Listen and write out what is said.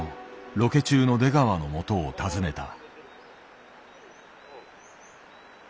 ロケ中の出川のもとを訪ねた。